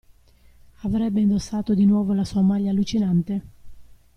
Avrebbe indossato di nuovo la sua maglia allucinante?